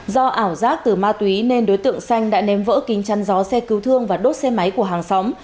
do ảo giác từ ma túy nên đối tượng xanh đã ném vỡ kính chăn gió xe cứu thương và đốt xe máy của hàng xóm